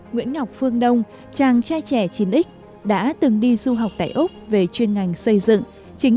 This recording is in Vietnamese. nguyễn ngọc phương đông chàng trai trẻ chín x đã từng đi du học tại úc về chuyên ngành xây dựng chính